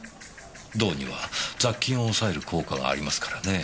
銅には雑菌を抑える効果がありますからね。